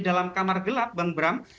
dalam kamar gelap bang bram